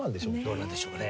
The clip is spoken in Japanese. どうなんでしょうね？